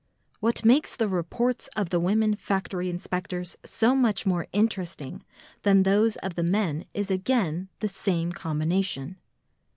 What makes the reports of the women factory inspectors so much more interesting than those of the men is again the same combination.